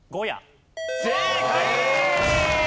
正解！